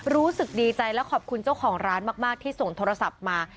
รู้สึกดีใจและขอบคุณเจ้าของร้านมากที่ส่งโทรศัพท์มา